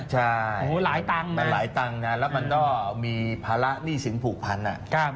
หูหลายตังค์นะและมันก็มีภาระหนี้สินผูกพันธ์นะ